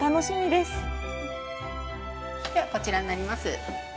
では、こちらになります。